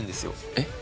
えっ？